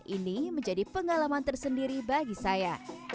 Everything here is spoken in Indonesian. ini menjadi pengalaman tersendiri bagi saya